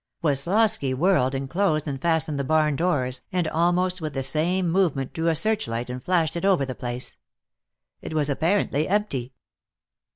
Woslosky whirled and closed and fastened the barn doors, and almost with the same movement drew a searchlight and flashed it over the place. It was apparently empty.